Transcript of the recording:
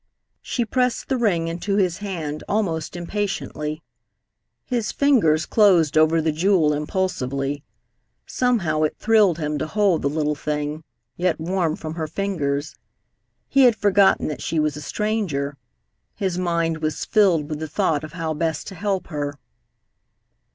She pressed the ring into his hand almost impatiently. His fingers closed over the jewel impulsively. Somehow, it thrilled him to hold the little thing, yet warm from her fingers. He had forgotten that she was a stranger. His mind was filled with the thought of how best to help her.